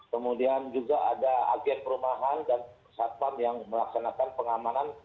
kemudian juga ada agen perumahan dan satpam yang melaksanakan pengamanan